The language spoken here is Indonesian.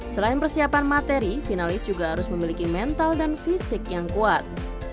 selain persiapan materi finalis juga harus memiliki mental dan fisik yang kuat